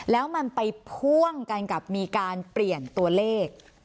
แล้วมันไปพ่วงกันกับมีการเปลี่ยนตัวเลข